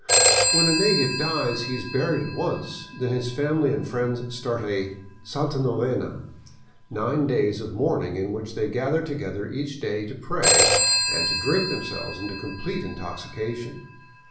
When a native dies he is buried at once, then his family and friends start a " santa novena," — nine days of mourning In which they gather together each day to pray and to drink themselves into complete intoxication.